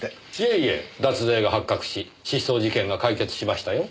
いえいえ脱税が発覚し失踪事件が解決しましたよ。